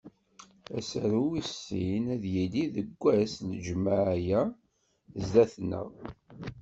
Asaru wis sin ad d-yili deg wass n lǧemɛa-ya sdat-neɣ.